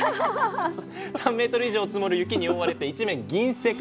３メートル以上積もる雪に覆われて一面銀世界。